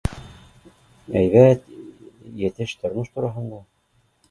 Һәйбәт етеш тормош тураһында